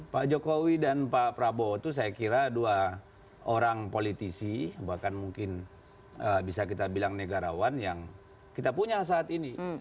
pak jokowi dan pak prabowo itu saya kira dua orang politisi bahkan mungkin bisa kita bilang negarawan yang kita punya saat ini